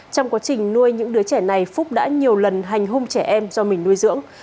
trong quá trình nuôi những đứa trẻ này phúc đã nhiều lần hành hung trẻ em do mình nuôi dưỡng